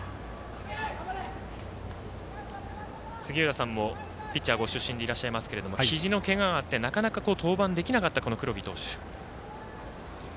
杉浦さんもピッチャーご出身でいらっしゃいますがひじのけががあってなかなか登板できなかった黒木投手。